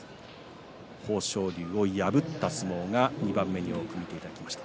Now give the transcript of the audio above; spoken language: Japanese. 豊昇龍を破った相撲が２番目に多く見ていただきました。